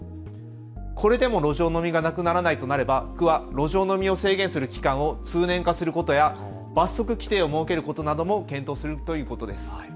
これでも路上飲みがなくならないとなれば区は路上飲みを制限する期間を通年化することや罰則規定を設けることなども検討するということです。